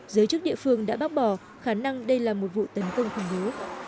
giới chức địa phương đã bác bỏ khả năng đây là một vụ tấn công khủng bố